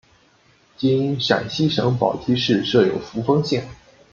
今陕西省宝鸡市设有扶风县。